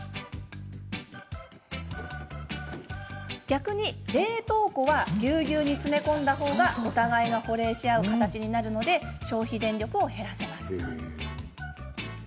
逆に冷凍庫はぎゅうぎゅうに詰め込んだほうがお互いが保冷し合う形になるので消費電力を減らせます。